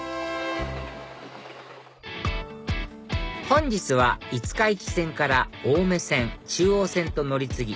本日は五日市線から青梅線中央線と乗り継ぎ